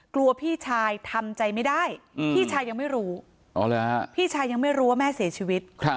พี่ชายทำใจไม่ได้พี่ชายยังไม่รู้พี่ชายยังไม่รู้ว่าแม่เสียชีวิต